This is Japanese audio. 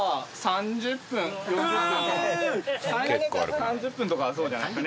３０分とかそうじゃないですかね